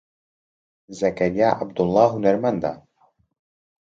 زەکەریا عەبدوڵڵا هونەرمەندە.